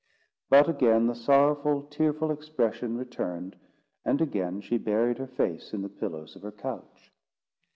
But again the sorrowful, tearful expression returned, and again she buried her face in the pillows of her couch.